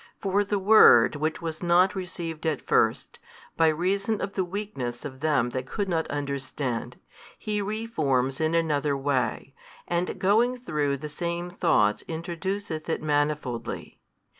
For the word which was not received at first, by reason of the weakness of them that could not understand, He re forms in another way, and going through the same thoughts introduceth it manifoldly.